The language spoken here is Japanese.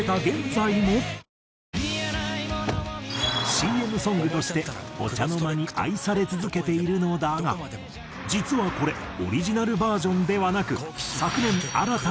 ＣＭソングとしてお茶の間に愛され続けているのだが実はこれオリジナルバージョンではなく。